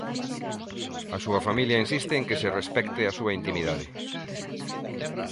A súa familia insiste en que se respecte a súa intimidade.